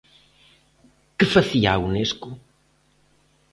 ¿Que facía a Unesco?